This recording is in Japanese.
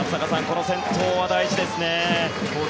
この先頭は大事ですね。